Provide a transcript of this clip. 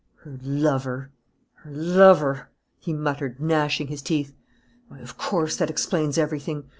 "Her lover! Her lover!" he muttered, gnashing his teeth. "Why, of course, that explains everything!